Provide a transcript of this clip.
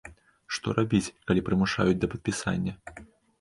Што рабіць, калі прымушаюць да падпісання?